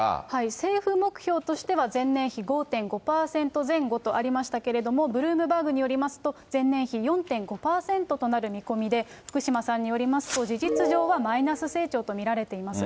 政府目標としては、前年比５．５％前後とありましたけれども、ブルームバーグによりますと、前年比４．５％となる見込みで、福島さんによりますと、事実上はマイナス成長と見られています。